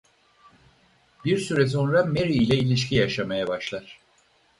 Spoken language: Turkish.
Bir süre sonra Mary ile ilişki yaşamaya başlar.